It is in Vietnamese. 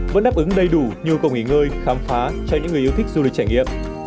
vẫn đáp ứng đầy đủ nhu cầu nghỉ ngơi khám phá cho những người yêu thích du lịch trải nghiệm